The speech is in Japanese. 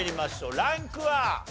ランクは？